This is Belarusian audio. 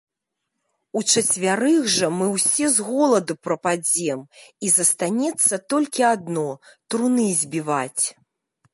- Учацвярых жа мы ўсе з голаду прападзем, і застанецца толькі адно - труны збіваць